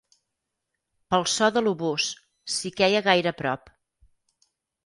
...pel so de l'obús, si queia gaire a prop.